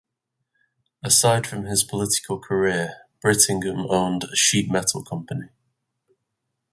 Aside from his political career, Brittingham owned a sheet metal company.